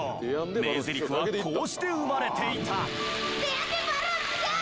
名ゼリフはこうして生まれていた。